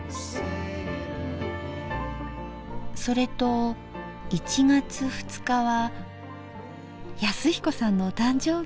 それと１月２日は恭彦さんのお誕生日。